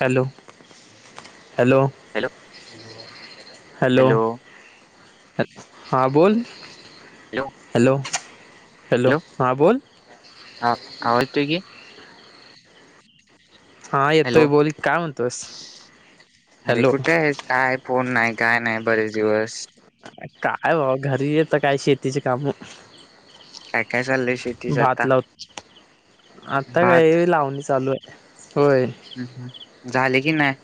Hello. Hello hello hello. हां बोल hello. Hello हां बोल. हा आवाज येतोय की हा येतोय हॅलो बोल काय म्हणतोस अरे हॅलो कुठे आहेस? काय फोन नाही. काय नाही बरेच दिवस. काय बा घरी येत काय शेतीचे काम.. काय काय चालय? भात लावत. आता भात काही लावणी चालू आहे होय. हम्म झाले की नाही?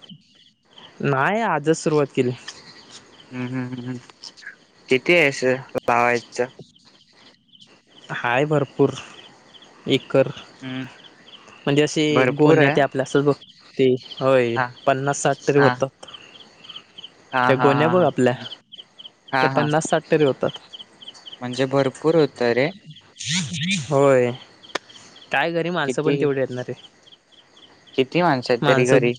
नाही आजच सुरुवात केली. ह् हम् ह् हम किती आहेसं लावायचं? हाय भरपूर एक. कर हम्म म्हणजे असे भरपूर आहे गोणेत आपल्या असंच बघते. होय हा पन्नास साठ तरी हा होतात. हा त्या हा हा गोन्या बघ हा आपल्या हम्म. हा त्या हा पन्नास साठ तरी होतात. म्हणजे भरपूर होत रे. होय काय घरी माणसं किती पण तेवढी येतणा रे. किती आहेत तरी माणसं घरी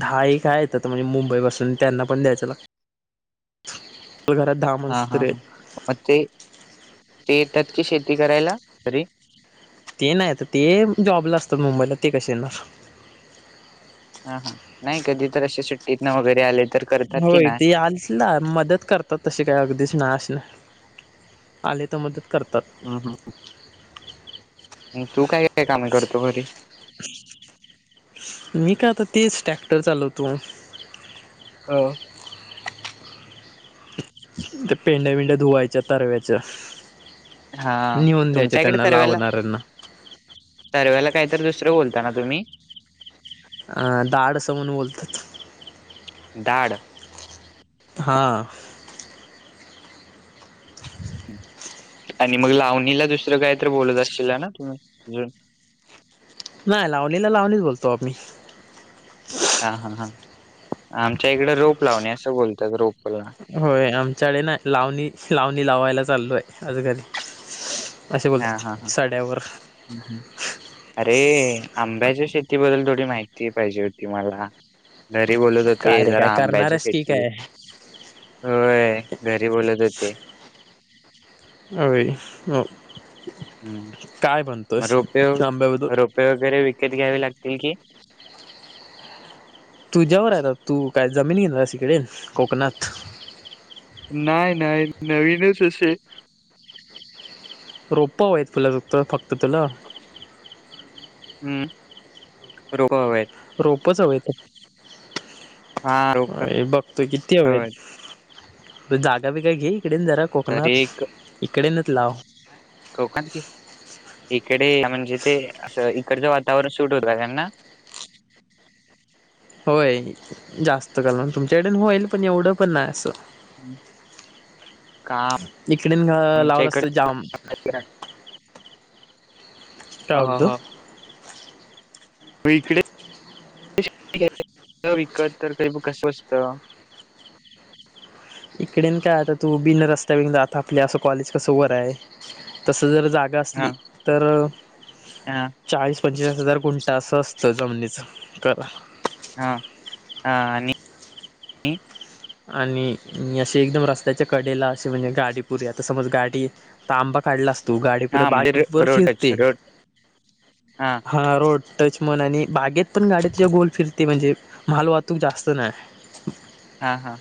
दहा एक काय येत म्हणजे मुंबई पासून त्यांना पण द्यायच्या घरात दहा हा माणस हा तरी आहेत. हा मग ते ते येतात की शेती करायला तरी. ते नाही आता ते जॉबला असतात मुंबईला ते कसे येणार. हा हा नाही कधी तर अशी सुट्टीतन वगैरे आलेत. होय ते आला मदत करतात तशी काय अगदीच नाश. आले तर मदत करतात. नाही तू काय काय कामे करतो घरी? मी का आता तेच ट्रॅक्टर चालवतो. हो. ते पेंड्या बिंड्या धुवायच्या तरव्याच्या. हा नेऊन द्यायच्या तुमच्याकडे त्यांना तरवेला लावणाऱ्यांना सर्व्याला काहीत दुसरं बोलता ना तुम्ही ं दाड असं म्हणून बोलतात. धाड. हा. [unintelligible] आणि मग लावणीला दुसरं काहीत बोलत असशल ना तुम्ही अून नाही लावणीला लावणीच बोलतो आम्ही हा हा हा आमच्या इकडे रोप लावणे असं बोलतात रोप होय आमच्याकडे ना लावणी लावणी लावायला चाललू आहे आजकाली हा हा हा हम् हम्म अरे. आंब्याच्या शेतीबद्दल थोडी माहिती पाहिजे होती मला घरी बोलत होते काय रे काय जरा आंब्याची करणारस की शेती काय होय घरी बोलत होते. अ म हम्म रोपये आंब्याबद्दल रोपये वगैरे विक विकत घ्यावे लागतील की तुझ्यावर आहे तु काय जमीन घेणार इकडे कोकणात नाही नाहीय नवीनच हश रोपपा व आहेतेत फुलाुत फक्त तुला हम्म रोप हवेत खूपच हवेत हा रोप अ बघतोय किती हवेत हवेत जागा बिगा घे इकडेन जरा तर कोकणात एक इकडेनच लाव कोकण की इकडे म्हणजे ते असं इकडचं वातावरण सुूट होतं त्यांना [unintelligible] होय जास्त क तुमच्याकडेन होईल पण एवढं पण नाही असं. हम्म. काम इकडेन आमच्या लावलं इकडे असतं जाम टवटध म इकडे. न विकत तर काही ब कसवस्त तिकडेन काय आता तु बिन रस्त्या बि आता आपल्या असं कॉलेज कसं वर आहे तसं जर जागा असली हा तर हा चाळीस पंचवीस हजार गुंट असं असतं जमिनीचं करा हा हा आणि आणि अे एकदम रस्त्याच्या कडेला अशी म्हणजे गाडीपुरी आता समज गाडी तांबा काढला असतं तु गाडीपुरे हा म्हणजे बाकी वर रोडच फिरते रोड हा रोड टच म्हण आणि बागेत पण गाडीत ज गोल फिरते म्हणजे माल वाहतूक जास्त नाही हा हा.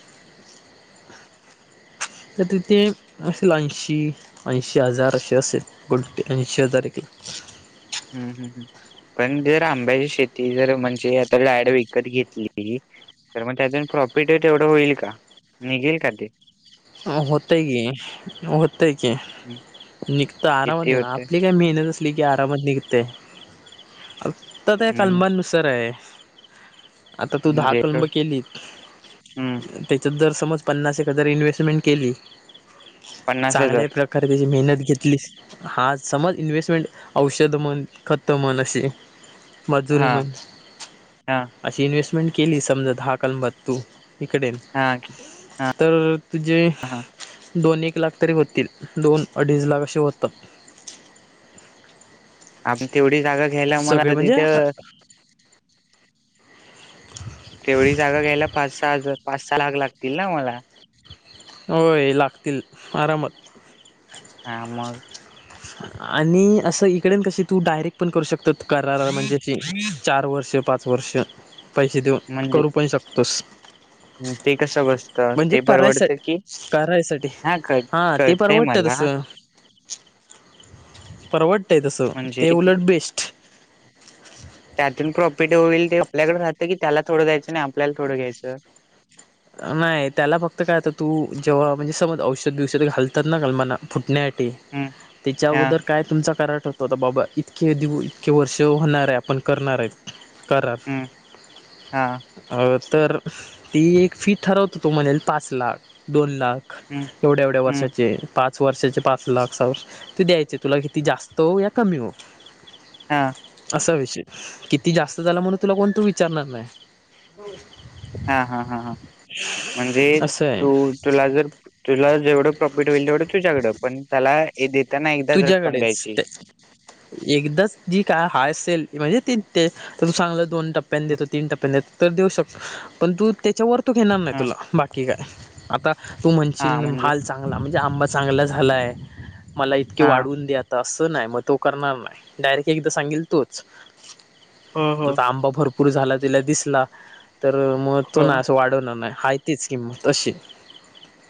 हम तर तिथे असेल ऐंशी ऐंशी हजार असे असेल गुटा ऐंशी हजार एक ह हम्म हम्म हम पण जर आंब्याची शेती जर म्हणजे आता डायरेक्ट विकत घेतली? तर मग त्यातून प्रॉफिट तेवढं होईल का निघेल का ते? होते कि होते कि निघत आरामात किती ये ना होतय आपली काय मेहनत निघतय कि अरामत निघतेे फक्त ते म्हणजे कलमानुसार आहे. आता तू दहा म्हणजे कलब केलीत हम्म त्याच्या दर समज पन्नास एक हजार इन्व्हेस्ट पन्नास चांगल्या हजार प्रकारे मेहनत केली घेतलीस हा समज इन्व्हेस्टमेंट औषध म्हण खत म्हण अशी हा मजुरी म्हण हा अशी इन्व्हेस्टमेंट केली समजा दहा कलमात तु इकडे हा हा तर तुझे हा दोन एक लाख तरी होतील दोन अडीच लाख असे होतात आपण तेवढी जागा घ्यायला मला सगळे तर म्हणजे तिथं तेवढी जागा घ्यायला पाच सहा हजार पाच सहा लाख लागतील ना मला? होय लागतील आरामात. हा मग आणि असं इकडे कसे तू डायरेक्ट पण करू शकत करार म्हणजे तीन चार वर्ष ते पाच वर्ष पैसे देऊन म्हणजे करू पण शकतोस ते कसं बसतं म्हणजे ते परवडत करायसाठी करायसाठी हा ते कळतय परवडत मला तसं परवडतंय तसं म्हणजे ते उलट बेस्ट त्यातून पीठे होईल ते आपल्याकडे राहत की त्यालाथोड द्यायचं आणि आप नाही त्याला फक्त काय आता तू जेव्हा म्हणजे समज औषध बीवशत घालतात ना काल मना फुटण्यासाठी हम्म हा त्याच्यागोदर काय तुमचा कराड त आता बाबा इतके दिव इतके वर्ष होणार आहे आपण करणार आहे. करार हम्म हा तर ती एक फी ठरवत हो तो म्हणेल पाच लाख दोन लाख हम्म एवढ्या एवढ्या हम्म वर्षाचे पाच वर्षाचे पाच लाख [unintelligible] ते द्यायचे तुला किती जास्त हो या कमी हो. हा असा विषय किती जास्त झाला म्हणून तुला कोण तु विचारणार नाही. हा हा हा हा. म्हणजे असं आहे तू तुला जर तुला जेवढं प्रॉफिट होईल तेवढं तुझ्याकडं पण त्याला हे देताना एकदाच रक्कम तुझ्याकडेच द्यायची. ते एकदाच जी काय हाय सेल म्हणजे ते तर चांगलं दोन टप्प्यानी देतो तीन टप्प्यानी देतो तर देऊ शकतो पण तु त्याच्यावर तो घेणार नाय हा तुला बाकी काय आता तू हा म्हणशील म्हणजे माल चांगला म्हणूजे आबां चांगला झालं आहे मला इतके हा. वाढवून दे आता असं नाही मग तो करणार नाही डायरेक्ट एकदा सांगल तोच हा हा आंबा भर पुढे झाला तिला दिसला? तर मग तो नाही हा. असं वाढवनार नाय हाय तीच की म तशी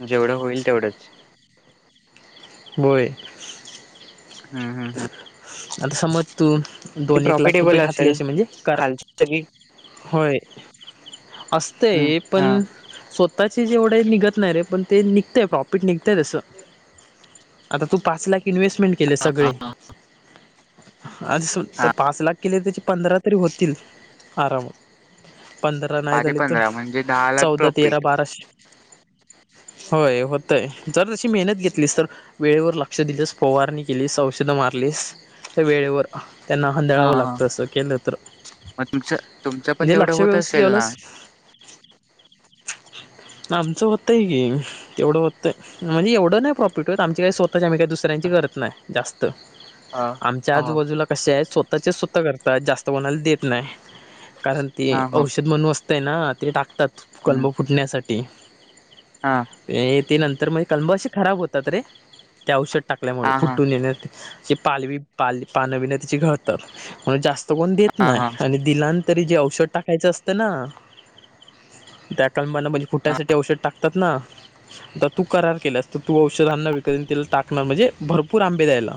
जेवढं होईल तेवढंच बोई [unintelligible] हम्म हम् हम्. आता समज तू दोन एक लाख रुपये प्रॉफिटेबल घातली असेल असे म्हणजे कर खालची सगळी [unintelligible] होय हम्म असतय हा. पण स्वतः जेवढे निघत नाही रे पण ते निगतय प्रॉफिट निगतय तस आता तू पाच लाख इन्वहेस्टमेंट केले सगळे अज हा [unintelligible] पाच लाख केले त्याचे पंधरा तरी होतील आरामात. पंधरा नाही पाचशे झाले इथून पंधरा म्हणजे दहा लाख चौदा तेरा प्रॉफिट बाराशे होय होतय जर तशी मेहनत घेतलीस तर, वेळेवर लक्ष दिलंस फवारनी केलीस औ सुद्धा मारलीस त्या वेळेवर त्यांना हा हांदळावं हा. लागतं असं केलं तर मग तुमचं तुमचं पण म्हणजे तेवढं लक्ष होत व्यवस्थित असेल ना? ठेवलंस [inaudible] आमचं होतंय की तेवढं होतंय, म्हणजे एवढ नाही प्रॉफिट होत आमची काही स्वतःच आम्ही काही दुसऱ्यांची हा गज त [unintelligible] नाही जास्त हा आमच्या आजूबाजूला कसे आहे स्वतःचे स्वतः करतात जास्त बनायला देत नाही. कारण हा ते हा औषध म्हणू असतय ना ते टाकतात हम्म. कलम फुटण्यासाठी. हा ते नंतर म्हणजे कलम अशे खराब होतात रे त्या औषध. टाकल्यामुळे हा हा फुटून येण्या पालवी पाल पानवबीन त्याची घळतात म्हण जास्त कोण देत हा नाही हा आणि दिलांतरी जे औषध टाकायचं असतं ना त्या कलमाना म्हणजे फुटायसाठी औषध टाकात ना. आता तू करार केलास तर तू औषधांना विकतन त्याला टाकणार म्हणजे भरपूर आंबे द्यायला.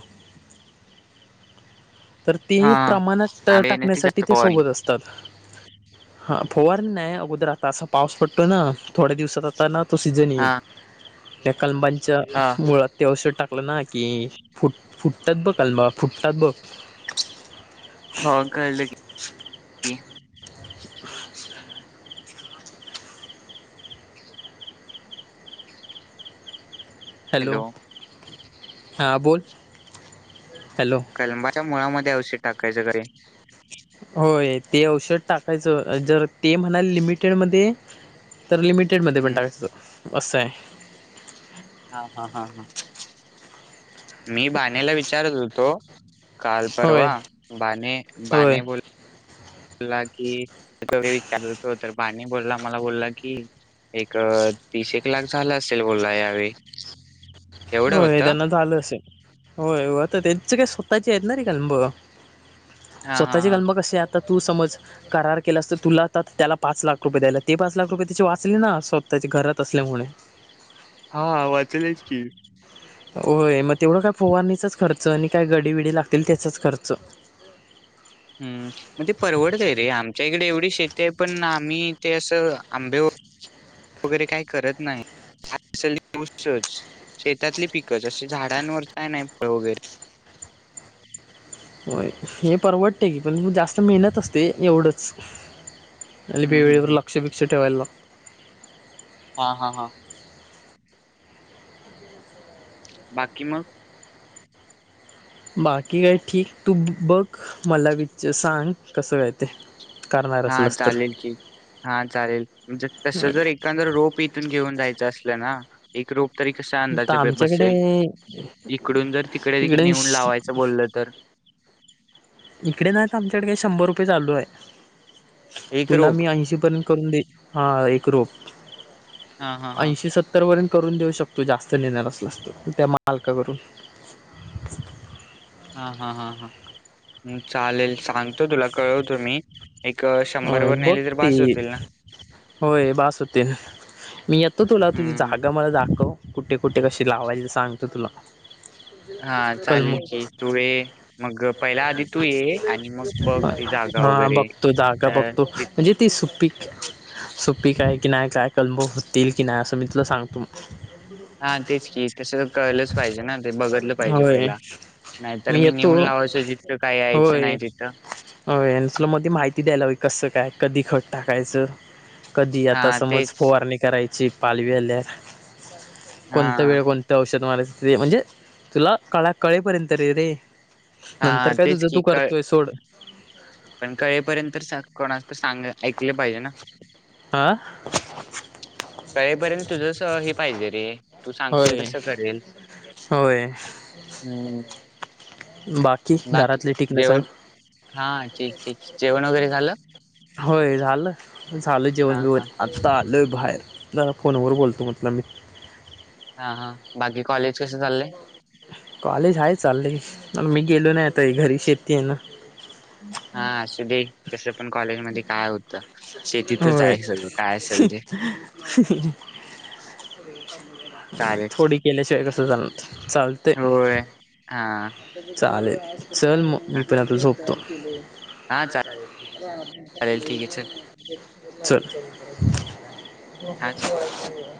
तर ते हा हा प्रमाणात आम्ही नाही ती टाकण्यासाठी जास्त ते पवारी सोबत असतात. हा फोवार नाही अगोदर आता असा पाऊस पडतो ना थोड्या दिवसात आता ना तो सीजन येईल हा त्या कलबांच्या हा. मुळात ते औषध टाकलं ना की फुट फुटतात ब कलमा फुटतात बघ. हा कळले की. [inaudible] हॅलो हां बोल. हॅलो कलबाच्या मुळामध्ये औषध टाकायच कारे. होय ते औषध टाकायचं जर ते म्हणाल लिमिटेड मध्ये तर लिमिटेडमध्ये पण हम्म. टाकायचंं असं आहे. हा हा हा हा मी बाण्याला विचारत होतो. काल होय परवा बाने होय बाने बोल. बला कि विचारतो तर बानी बोलला मला बोलला की एक. तीस एक लाख झालं असेल बोलला यावेळी. [inaudible] एवढं हो हे होतं त्यांना लं असेल. होय हो आता त्यांच काय स्वतःचे आहेत ना रे कलम. हा हा स्वतःचे हा. कलम कसे आहेत. आता तू समज करार केला अस तर तुला आ तर त्याला पाच लाख रुपये द्यायला ते पाच लाख रुपये त्याचे वाचले ना स्वतः. त्याच्या घरात असल्यामुळे. हा वाचेलच की. होय मग तेवढं काय फोवारणीचाच खर्च आणि काय गडी विडी लागतील त्याचाच खर्च. [inaudible] हम्म मग परवडतय रे आमच्या इकडे एवढी शेती ते पण आम्ही ते असं आंबे वगैरे काही करत नाही. [unintelligible] गोष्टच शेतातली पिकच असे झाडांवर काय नाही फळ वगैरे [inaudible] हो हे परवडते की पण जास्त मेहनत असते एवढंच. आणि हम्म हम्म बेवेळेवर हम्म. लक्ष पिकक्ष ठेवायला. हा हा हा. बाकी मग. बाकी काय ठीक तू बघ मला विच सांग कसं काय ते. करणार हा असलस तर. चालेल की. हा चालेल म्हणजे तस जर एकंदर रोप इथून घेऊन जायचं असलं ना. एक रोप तरी कशा ता अंदाजे ब- आमच्याकडे बसेल इकडून जर तिकडे इकडे [inaudible] नेऊन लावायचं बोललं तर इकडे नाही का आमच्याकडे काही शंभर रुपये चालू आहे. एक तुला रोप मी ऐंशी पर्यंत करून दे हा एक रोप. हा हा हा ऐंशी सत्तर पर्यंत.. करून देऊ शकतो जास्त नेणार असला असत त्या मालका करून. हा हा हा हा् चालेल सांगतो तुला कळवतो मी.. एक शंभर होय वर बघ नेले तर ते बाज होतील ना.. होय बास होते मी येतो तुला तुझी हम्म. जागा मला दाखव कुठे कुठे कशी लावायच सांगत तुला. हा कलम चालेल की तू ये मग पहिल्या आधी तू ये.. आणि मग बघ ती जागा हा वगैरे बघतो जागा तर बघतो ते म्हणजे ती सुपीक.. सोपी काय की नाही काय कलब होतील की नाही असं मी तुलं सांगतो.. हा तेच की तस कळलंच पाहिजे ना ते बघितलं पाहिजे होय पहिला.. नाही तर मी नेऊन लावायचो जितथकं काय.. होय होय तुला मध्ये माहिती द्यायला हवी कसं काय कधी खट टाकायचं कधी आता हा समज तेच फुवारणी करायची पालवी आल्या.. हा कोणत वेळ कोणत्या औषध मला.. ते म्हणजे तुला काळा कळेपर्यंत रे रे. हा नंतर काय तेच तुझं तू की क करतोय सोड पण कळेपर्यंत कोणा सांग.. दिले पाहिजे ना. हा तळेपर्यंत तुझा अस हे पाहिजे रे तू सांगशील होय तसं करेल.. होय. हम्म बाकी घरातले ठीक ना सर जेवण हा ठीक ठीक जेवण वगैरे झालं. होय झालं झालं हा जेवण बेवण हा आत्ता. आलय बाहेर फोनवर बोलतो. म्हटलं मी हा हा बाकी कॉलेज कस चाललंय. कॉलेज आहे चाललेय, मी गेलो नाही आता घरी शेती आहे ना. हा असू दे तसं पण कॉलेज मध्ये काय होतं. शेतीतच आहे सगळं काय असेल ते होय चालेल थोडी केल्याशिवाय कसं चाल चालते होय हा चालेल. चल मग मी हा पण आता झोपतो. हा हा चालेल ठीक आहे चल चाले [unintelligible] चल हा चल [unintelligible]